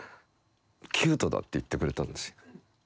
「キュートだ」って言ってくれたんですよ。